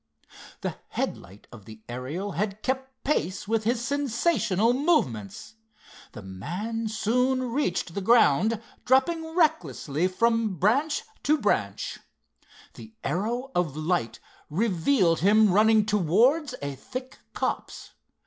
The headlight of the Ariel had kept pace with his sensational movements. The man soon reached the ground, dropping recklessly from branch to branch. The arrow of light revealed him running towards a thick copse.